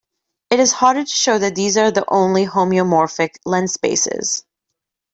It is harder to show that these are the only homeomorphic lens spaces.